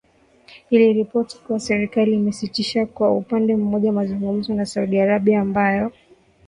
Iliripoti kuwa serikali imesitisha kwa upande mmoja mazungumzo na Saudi Arabia, ambayo yamekuwa yakiendelea mjini Baghdad